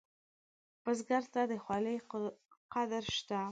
بزګر ته د خولې قدر شته